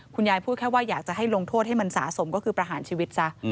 พูดแค่ว่าอยากจะให้ลงโทษให้มันสะสมก็คือประหารชีวิตซะ